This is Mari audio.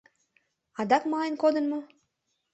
Адак мален кодын мо?